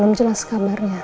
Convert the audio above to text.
belum jelas kabarnya